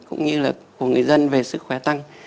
cũng như là của người dân về sức khỏe tăng